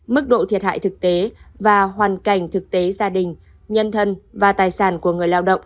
mức độ thiệt hại thực tế và hoàn cảnh thực tế gia đình nhân thân và tài sản của người lao động